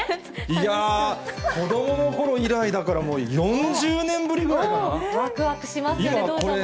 いやー、子どものころ以来だから、もう４０年ぶりくらいかな。